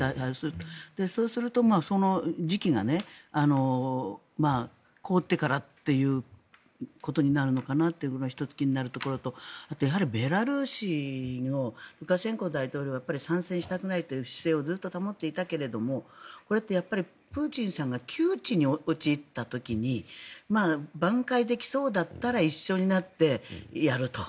そうすると、時期が凍ってからということになるのかなというのが１つ気になるところとあと、ベラルーシのルカシェンコ大統領は参戦したくないという姿勢をずっと保っていたけどこれってやっぱりプーチンさんが窮地に陥った時にばん回できそうだったら一緒になって、やると。